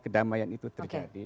kedamaian itu terjadi